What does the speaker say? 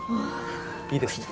いいですね。